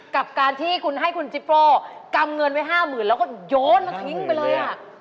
กับการที่คุณให้คุณจิโป้กำเงินไว้ห้าหมื่นแล้วก็โยนมาทิ้งไปเลย